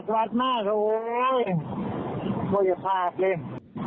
เราสนุกไป